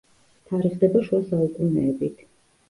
თარიღდება შუა საუკუნეებით.